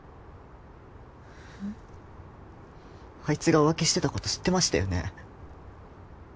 アイツが浮気してたこと知ってましたよね？